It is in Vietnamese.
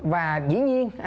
và dĩ nhiên